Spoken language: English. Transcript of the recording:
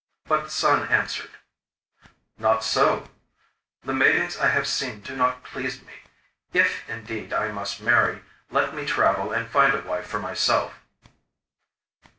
But the son answered: 'Not so; the maidens I have seen do not please me. If, indeed, I must marry, let me travel and find a wife for myself.